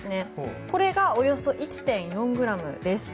これがおよそ１．４ｇです。